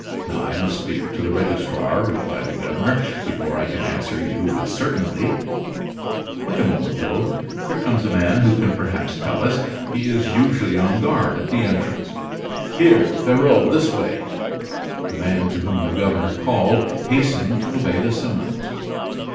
"I must speak to the registrar," replied the governor, "before I can answer you with certainty. Wait a moment though, here comes a man who can perhaps tell us. He is usually on guard at the entrance. Here, Ferraud, this way!" The man to whom the governor called hastened to obey the summons.